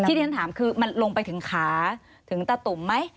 ที่ที่ฉันถามคือมันลงไปถึงขาถึงตาตุ่มไหม